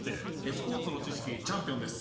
スポーツの知識チャンピオンです。